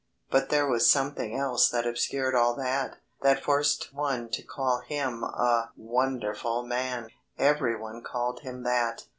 But there was something else that obscured all that, that forced one to call him a wonderful man. Everyone called him that.